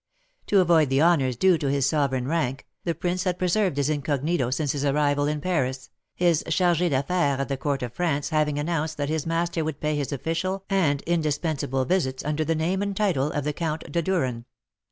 To avoid the honours due to his sovereign rank, the prince had preserved his incognito since his arrival in Paris, his chargé d'affaires at the court of France having announced that his master would pay his official and indispensable visits under the name and title of the Count de Duren.